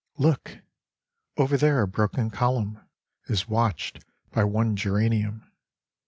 Look ! Over there a broken column Is watched by one geranium.